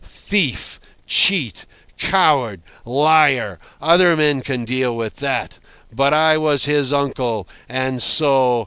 Thief, cheat, coward, liar—other men can deal with that. But I was his uncle, and so